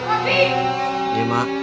abisin dulu pak pi